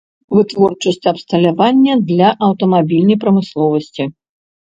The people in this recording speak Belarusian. Вытворчасць абсталявання для аўтамабільнай прамысловасці.